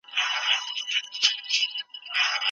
انا په ډېرې ستړیا سره خوب ته لاړه.